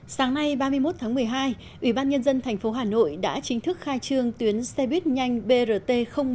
sáng nay ba mươi một tháng một mươi hai ủy ban nhân dân thành phố hà nội đã chính thức khai trương tuyến xe buýt nhanh brt một